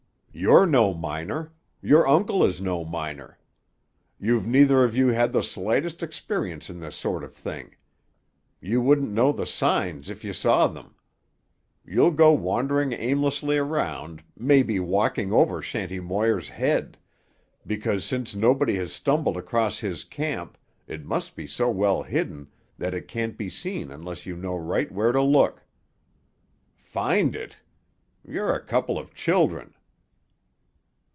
"You're no miner. Your uncle is no miner. You've neither of you had the slightest experience in this sort of thing. You wouldn't know the signs if you saw them. You'll go wandering aimlessly around, maybe walking over Shanty Moir's head; because, since nobody has stumbled across his camp, it must be so well hidden that it can't be seen unless you know right where to look. Find it! You're a couple of children!"